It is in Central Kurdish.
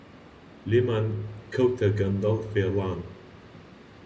لێمان کەوتە گەندەڵ فێڵان!